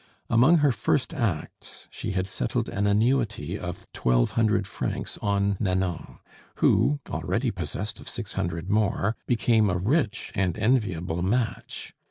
Among her first acts she had settled an annuity of twelve hundred francs on Nanon, who, already possessed of six hundred more, became a rich and enviable match.